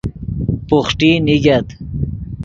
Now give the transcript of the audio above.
بوحٹی نیگت